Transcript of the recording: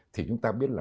thì chúng ta biết là